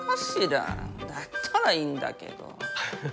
だったらいいんだけど。ハハハハ。